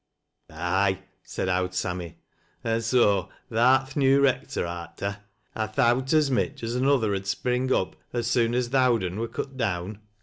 " Aye," said Owd Sammy, " an' so tha'rt th' new rector, art ta? I thowt as mich as ^another ud spring up as soon as th' owd un wur cut down.